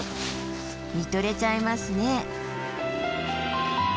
見とれちゃいますね。